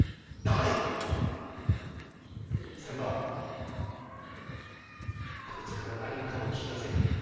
こいつから何もかも聞いたぜ。